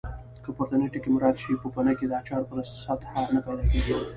که پورتني ټکي مراعات شي پوپنکې د اچار پر سطحه نه پیدا کېږي.